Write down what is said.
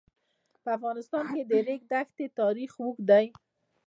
په افغانستان کې د د ریګ دښتې تاریخ اوږد دی.